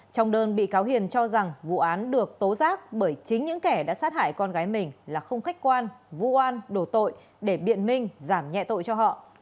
trong đơn bị cáo hiền cho rằng vụ án được tố giác bởi chính những kẻ đã sát hại con gái mình là không khách quan vũ an đổ tội để biện minh giảm nhẹ tội cho họ